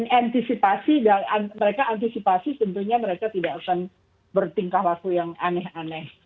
jadi mereka antisipasi tentunya mereka tidak akan bertingkah waktu yang aneh aneh